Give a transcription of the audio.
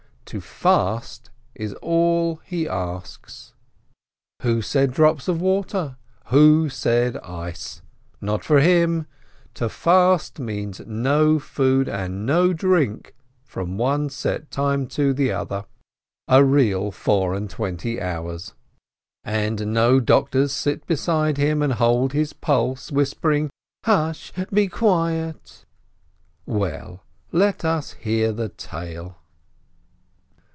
To fast is all he asks! Who said drops of water? Who said ice? Not for him! To fast means no food and no drink from one set time to the other, a real four and twenty hours. And no doctors sit beside him and hold his pulse, whispering, "Hush! Be quiet!" Well, let us hear the tale